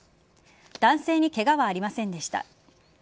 男性にケガはありませんでした。